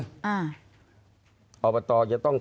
อเทศบาลจะต้อง